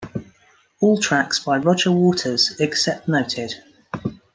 All tracks by Roger Waters except noted.